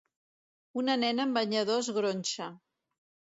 Una nena en banyador es gronxa